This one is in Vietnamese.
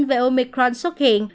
về omicron xuất hiện